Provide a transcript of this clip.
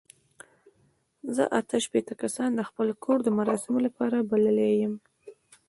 زه اته شپېته کسان د خپل کور د مراسمو لپاره بللي یم.